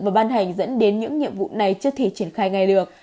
và ban hành dẫn đến những nhiệm vụ này chưa thể triển khai ngay được